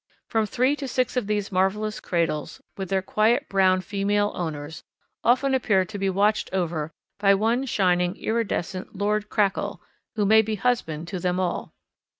From three to six of these marvellous cradles, with their quiet brown female owners, often appear to be watched over by one shining, iridescent lord Crackle, who may be husband to them all.